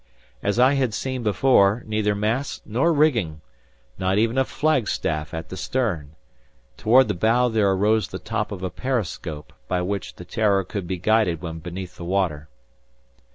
As I had seen before, neither masts, nor rigging! Not even a flagstaff at the stern! Toward the bow there arose the top of a periscope by which the "Terror" could be guided when beneath the water.